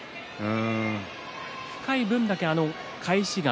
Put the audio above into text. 深い分だけ返しが。